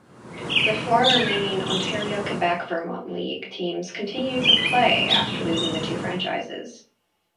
The four remaining Ontario–Quebec–Vermont League teams continued play after losing the two franchises.